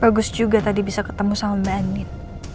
bagus juga tadi bisa ketemu sama mbak enit